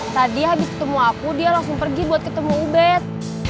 tadi habis ketemu aku dia langsung pergi buat ketemu ubed